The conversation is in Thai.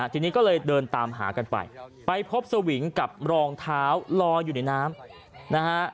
ทีนี้ก็เลยเดินตามหากันไปไปพบสวิงกับรองเท้าลอยอยู่ในน้ำนะฮะ